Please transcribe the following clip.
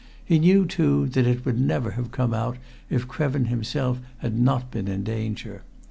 He knew, too, that it would never have come out if Krevin himself had not been in danger.